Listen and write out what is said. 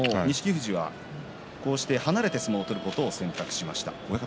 富士は離れて相撲を取ることを選択しました。